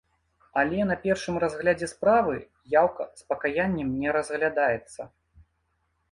Але на першым разглядзе справы яўка з пакаяннем не разглядаецца.